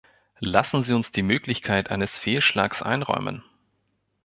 Lassen Sie uns die Möglichkeit eines Fehlschlags einräumen.